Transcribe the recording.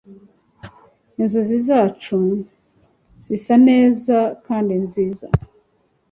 inzozi zacu zisa neza kandi nziza